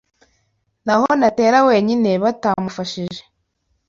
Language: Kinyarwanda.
Na ho natera wenyine batamufashije